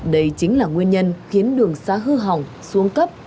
đây chính là nguyên nhân khiến đường xá hư hỏng xuống cấp